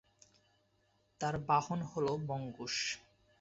তার বাহন হল মঙ্গুস।